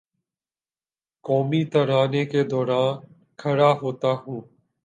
قومی ترانے کے دوراں کھڑا ہوتا ہوں